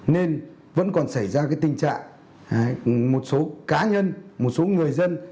nên vẫn còn xảy ra tình trạng một số cá nhân một số người dân